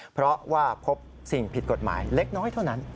เพราะว่าพบสิ่งผิดกฎหมายเล็กน้อยเท่านั้น